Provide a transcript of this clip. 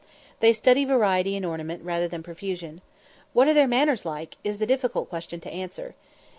They study variety in ornament rather than profusion. "What are their manners like?" is a difficult question to answer.